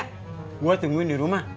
gue tungguin di rumah